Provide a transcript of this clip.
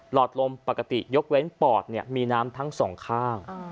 อดลมปกติยกเว้นปอดมีน้ำทั้งสองข้าง